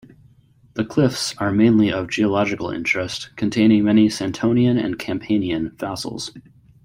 The cliffs are mainly of geological interest, containing many Santonian and Campanian fossils.